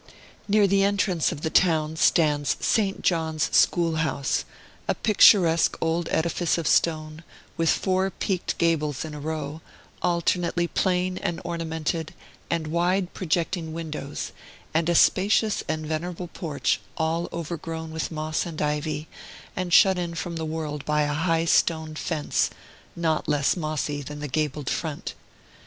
Near the entrance of the town stands St. John's School House, a picturesque old edifice of stone, with four peaked gables in a row, alternately plain and ornamented, and wide, projecting windows, and a spacious and venerable porch, all overgrown with moss and ivy, and shut in from the world by a high stone fence, not less mossy than the gabled front.